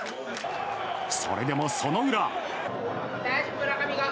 それでもその裏。